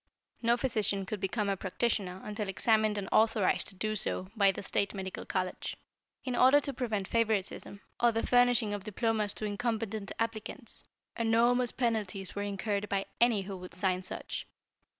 No physician could become a practitioner until examined and authorized to do so by the State Medical College. In order to prevent favoritism, or the furnishing of diplomas to incompetent applicants, enormous penalties were incurred by any who would sign such.